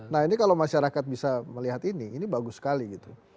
nah ini kalau masyarakat bisa melihat ini ini bagus sekali gitu